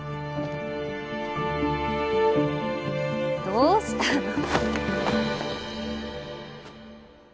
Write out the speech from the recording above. どうしたの？